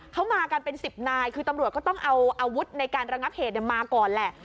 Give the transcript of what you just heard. เขามากันเป็น๑๐นายคือตำรวจก็ต้องเอาอาวุธในการระงับเหตุมาก่อนแหละ